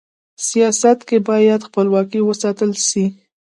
سیاست کي بايد خپلواکي و ساتل سي.